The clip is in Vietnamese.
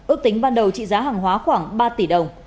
ước tính ban đầu trị giá hàng hóa khoảng ba tỷ đồng